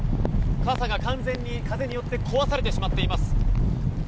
傘が完全に風によって壊されてしまっています。